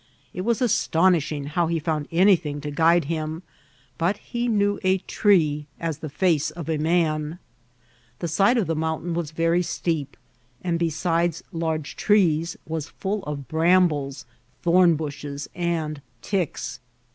It was astonishing how he found anything to guide him, but he knew a tree as the face of a man. The side c£ VIES aN THS PX.AINI. 108 ihe mottntain was Tery steep, and bendes large treea^ was full of faramblesi tbarn bnshes, and ticks.